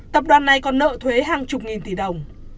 tập đoàn này còn nợ thuế hàng chục nghìn tỷ đồng